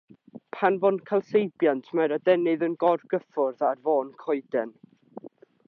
Pan fo'n cael seibiant mae'r adenydd yn gorgyffwrdd ar fôn coeden.